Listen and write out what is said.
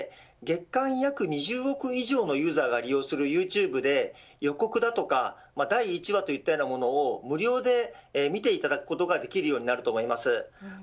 このサービスが始まることで月間約２０億円以上のユーザーが利用するユーチューブで予告だとか第１話といったような無料で見ていただくことができるようになると思います。